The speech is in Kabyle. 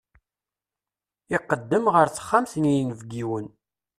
Iqeddem ɣer texxamt n yinebgiwen.